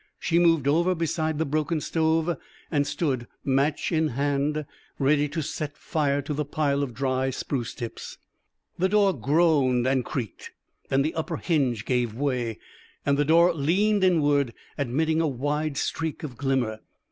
She moved over beside the broken stove, and stood, match in hand, ready to set fire to the pile of dry spruce tips. The door groaned and creaked. Then the upper hinge gave way, and the door leaned inward, admitting a wide streak of glimmer.